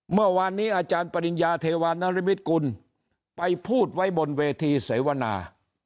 เมื่อวานนี้อาจารย์ปริญญาเทวานริมิตกุลไปพูดไว้บนเวทีเสวนา